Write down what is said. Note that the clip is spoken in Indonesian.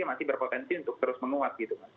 jadi ini juga berpotensi untuk terus memuat gitu